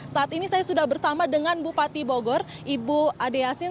saat ini saya sudah bersama dengan bupati bogor ibu ade yasin